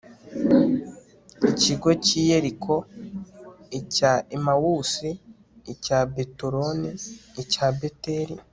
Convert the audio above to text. ikigo cy'i yeriko, icya emawusi, icya betoroni, icya beteli